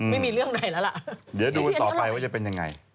ไม่มีเรื่องในแล้วล่ะ